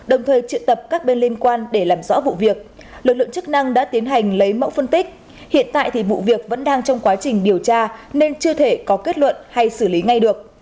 đồng thời trự tập các bên liên quan để làm rõ vụ việc lực lượng chức năng đã tiến hành lấy mẫu phân tích hiện tại thì vụ việc vẫn đang trong quá trình điều tra nên chưa thể có kết luận hay xử lý ngay được